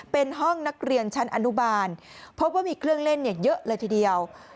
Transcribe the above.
เป็นห้องนักเรียนชั้นอนุบาลพบว่ามีเครื่องเล่นเยอะเลยทีเดียว